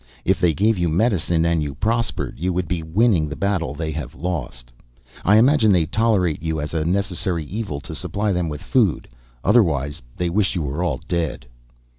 If they gave you medicine and you prospered, you would be winning the battle they have lost. I imagine they tolerate you as a necessary evil, to supply them with food, otherwise they wish you were all dead."